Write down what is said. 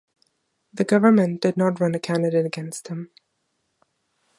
The government did not run a candidate against him.